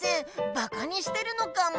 バカにしてるのかも。